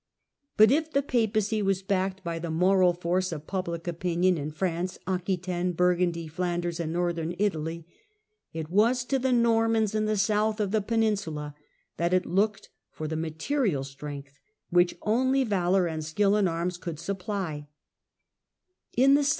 But if the Papacy was backed by the moral force of public opinion in France, Aquitaine, Burgundy, Flan ders, and northern Italy, it was to the Normans in the sonth of the peninsula that it looked for the material strength which only valour and skill in arms could sup virft of the ply.